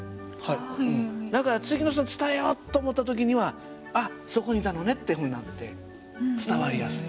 だから次の人に伝えようと思った時には「あっそこにいたのね」ってふうになって伝わりやすい。